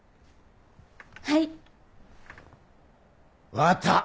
分かった！